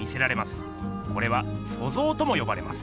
これは「塑造」ともよばれます。